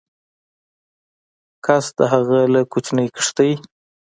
و کس د هغه له کوچنۍ کښتۍ